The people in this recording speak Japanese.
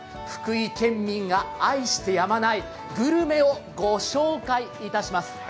福井県民が愛してやまないグルメを御紹介いたします。